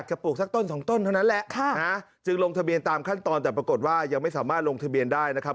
จึงลงทะเบียนตามขั้นตอนแต่ปรากฏว่ายังไม่สามารถลงทะเบียนได้นะครับ